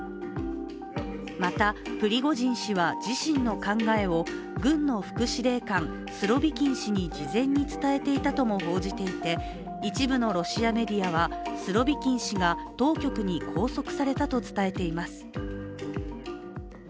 また、プリゴジン氏は自身の考えを軍の副司令官・スロビキン氏に事前に伝えていたとも報じていて、一部のロシアメディアはスロビキン氏が当局に拘束されたと伝えています。